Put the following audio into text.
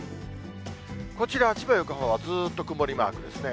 こちらは千葉、横浜はずーっと曇りマークですね。